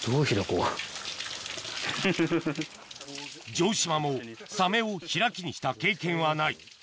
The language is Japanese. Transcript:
城島もサメを開きにした経験はない